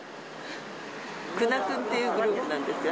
クナクンっていうグループなんです。